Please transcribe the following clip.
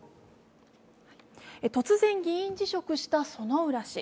突然、議員辞職した薗浦氏。